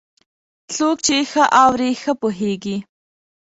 څوک چې ښه اوري، ښه پوهېږي.